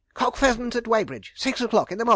Cock Pheasant at Weybridge, six o'clock i' the mornin'!'